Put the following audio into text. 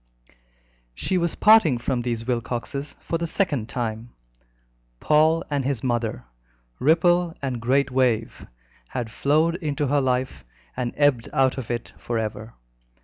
She was parting from these Wilcoxes for the second time. Paul and his mother, ripple and great wave, had flowed into her life and ebbed out of it for ever.